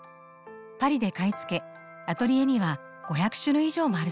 パリで買い付けアトリエには５００種類以上もあるそうです。